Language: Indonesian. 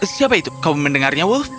siapa itu kau mendengarnya wow